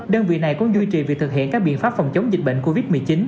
đơn vị này cũng duy trì việc thực hiện các biện pháp phòng chống dịch bệnh covid một mươi chín